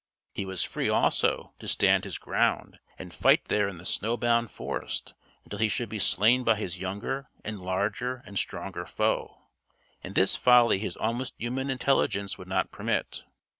He was free, also, to stand his ground and fight there in the snowbound forest until he should be slain by his younger and larger and stronger foe, and this folly his almost human intelligence would not permit.